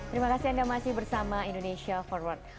terima kasih anda masih bersama indonesia forward